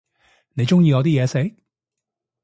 你鍾意我啲嘢食？